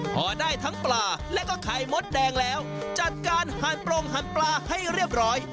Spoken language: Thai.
พอได้ทั้งปลาและก็ไข่มดแดงแล้วจัดการหั่นโปรงหั่นปลาให้เรียบร้อย